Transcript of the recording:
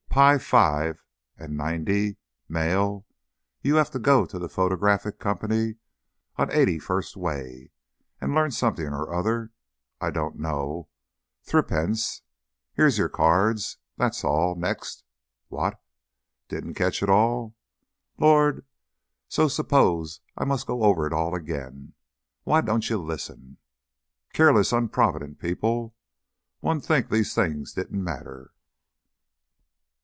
b., pi five and ninety, male; you 'ave to go to the Photographic Company on Eighty first Way, and learn something or other I don't know thrippence. 'Ere's y'r cards. That's all. Next! What? Didn't catch it all? Lor! So suppose I must go over it all again. Why don't you listen? Keerless, unprovident people! One'd think these things didn't matter."